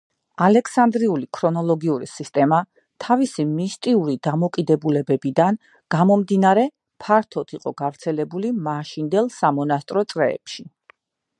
ალექსანდრიული ქრონოლოგიური სისტემა თავისი მისტიური დამოკიდებულებიდან გამომდინარე ფართოდ იყო გავრცელებული მაშინდელ სამონასტრო წრეებში.